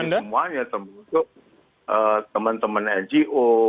saya dan semuanya termasuk teman teman ngo